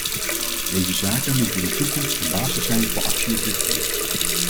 Deze zaken moeten in de toekomst de basis zijn voor actie op dit gebied.